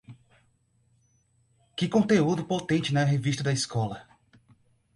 Que conteúdo potente na revista da escola!